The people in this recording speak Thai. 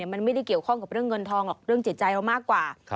มันไม่ได้เกี่ยวข้องกับเรื่องเงินทองหรอกเรื่องจิตใจเรามากกว่า